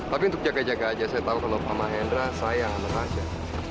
tapi untuk jaga jaga aja saya tahu kalau sama hendra saya sama tasya